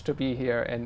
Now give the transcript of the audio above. câu hỏi nữa